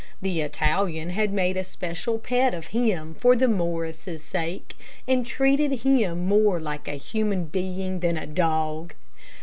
The Italian had made a special pet of him for the Morrises' sake, and treated him more like a human being than a dog.